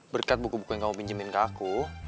berkat buku buku yang kamu pinjemin ke aku